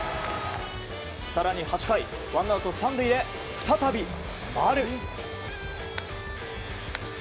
更に８回ワンアウト３塁で再び丸。